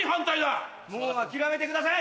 もう諦めてください！